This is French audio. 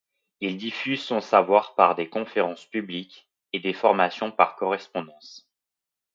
Il diffuse son savoir par des conférences publiques et des formations par correspondance.